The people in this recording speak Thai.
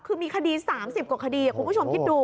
คือมีคดี๓๐กว่าคดีคุณผู้ชมคิดดู